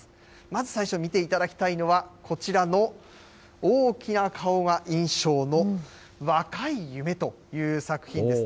まず最初、見ていただきたいのは、こちらの大きな顔が印象の若い夢という作品です。